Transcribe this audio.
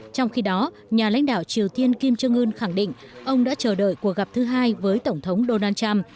trong khi đó nhà lãnh đạo triều tiên kim trương ưn khẳng định ông đã chờ đợi cuộc gặp thứ hai với tổng thống donald trump